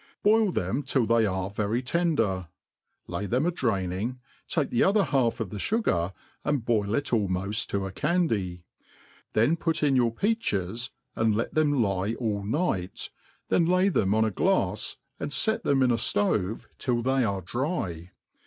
Boil them till they a^e very tender, lay them a draining, take the other half of the fugar, and boil it almoft to a candy ; then put in your peaches, and let them lie all night, then lay them on a glafs^ 0nd fct them in a ftove till they are dry.